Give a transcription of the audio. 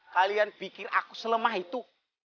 kalian bikin aku selemah itu